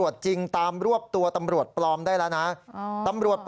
จริงตามรวบตัวตำรวจปลอมได้แล้ว